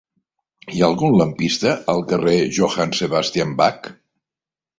Hi ha algun lampista al carrer de Johann Sebastian Bach?